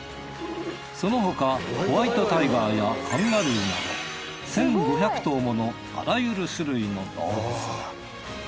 その他ホワイトタイガーやカンガルーなど１，５００頭ものあらゆる種類の動物。